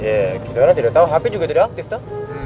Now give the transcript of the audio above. iya kita kan tidak tau hp juga tidak aktif tuh